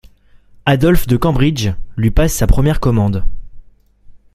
Adolphe de Cambridge lui passe sa première commande.